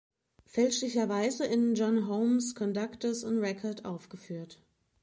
Fälschlicherweise in John Holmes‘ Conductors on Record aufgeführt.